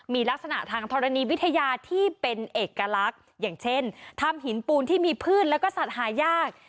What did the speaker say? มีลักษณะทางธรณีวิทยาที่เป็นเอกลักษณ์อย่างเช่นทำหินปูนที่มีพืชแล้วก็สัตว์หายาก